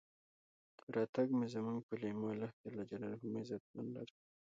راتګ مو زمونږ پۀ لېمو، الله ج مو عزتمن لره.